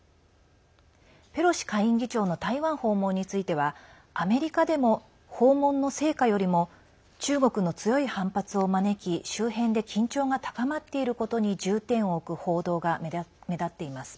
ペロシ下院議長の台湾訪問についてはアメリカでも訪問の成果よりも中国の強い反発を招き周辺で緊張が高まっていることに重点を置く報道が目立っています。